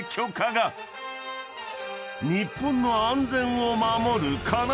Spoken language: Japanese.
［日本の安全を守る要！